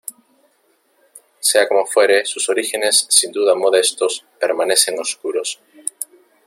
Sea como fuere, sus orígenes, sin duda modestos, permanecen oscuros.